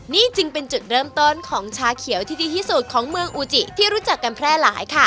นี่จึงเป็นจุดเริ่มต้นของชาเขียวที่ดีที่สุดของเมืองอูจิที่รู้จักกันแพร่หลายค่ะ